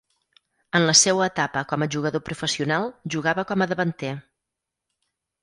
En la seua etapa com a jugador professional jugava com a davanter.